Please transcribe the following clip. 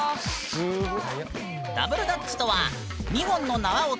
すごい。